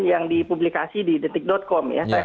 yang dipublikasi di detik com ya